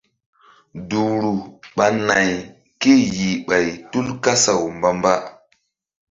Duhru ɓa nay kéyih ɓay tul kasaw mba-mba.